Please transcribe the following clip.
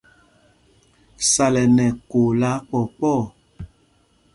Sal ɛ nɛ ɛkoo lɛ́ akpɔɔ kpɔɔ.